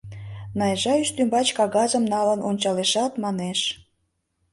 Найжа ӱстембач кагазым налын ончалешат, манеш: